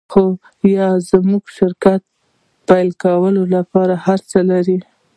خو ایا موږ د شرکت پیل کولو لپاره هرڅه لرو